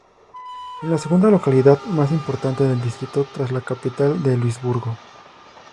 Es la segunda localidad más importante del distrito tras la capital Luisburgo.